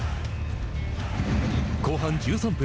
後半１３分。